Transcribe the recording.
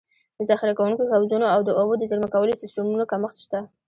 ذخیره کوونکو حوضونو او د اوبو د زېرمه کولو سیستمونو کمښت شته.